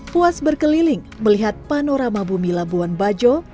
puas berkeliling melihat panorama bumi labuan bajo